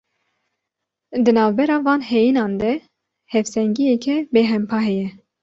Di navbera van heyînan de hevsengiyeke bêhempa heye.